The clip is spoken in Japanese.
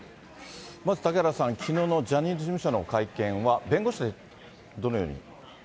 まず嵩原さん、きのうのジャニーズ事務所の会見は、弁護士で、どのように。